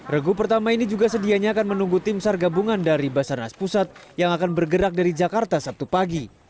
regu pertama ini juga sedianya akan menunggu tim sar gabungan dari basarnas pusat yang akan bergerak dari jakarta sabtu pagi